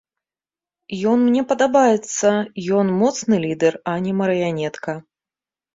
Ён мне падабаецца, ён моцны лідэр, а не марыянетка.